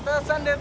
tentu saja nek